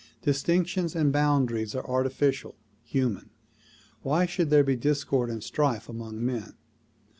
Distinctions and boundaries are artificial, human. Why should there be discord and strife among men?